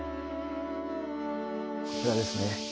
こちらですね。